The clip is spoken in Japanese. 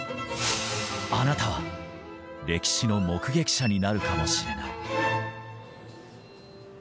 あなたは歴史の目撃者になるかもしれない。